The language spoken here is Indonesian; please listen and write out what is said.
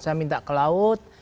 saya minta ke laut